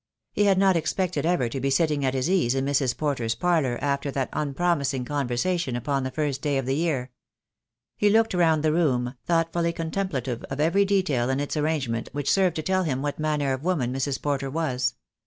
He had not expected ever to be sitting at his ease in Mrs. Porter's parlour after that unpromising conversation upon the first day of the year. He looked round the room, thoughtfully contemplative of every detail in its arrangement which served to tell him what manner of woman Mrs. Porter was.